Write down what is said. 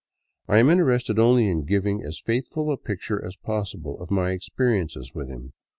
I am interested only in giving as faithful a picture as possible of my experiences with him.